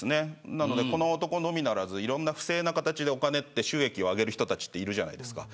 この男のみならず不正な形でお金の収益を上げる人たちいるじゃないですか。